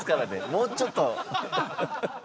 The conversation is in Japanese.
もうちょっと。